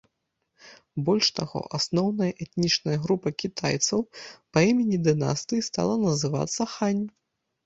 Больш таго, асноўная этнічная група кітайцаў па імені дынастыі стала называцца хань.